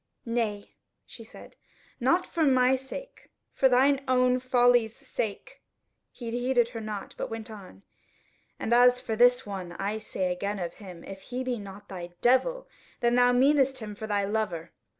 "Nay," she said, "not for my sake, for thine own folly's sake." He heeded her not, but went on: "And as for this one, I say again of him, if he be not thy devil, then thou meanest him for thy lover.